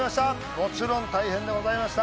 もちろん大変でございました